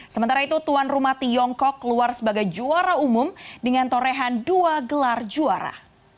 sementara itu tuan rumah tiongkok keluar sebagai juara umum dengan torehan dua gelar juara